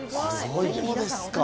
そうですか。